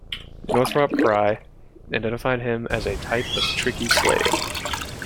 Northrop Frye identified him as a type of tricky slave.